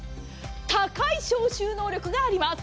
高い消臭能力があります。